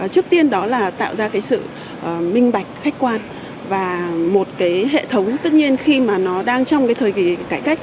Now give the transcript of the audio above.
trước tiên đó là tạo ra sự minh bạch khách quan và một hệ thống tất nhiên khi mà nó đang trong thời kỳ cải cách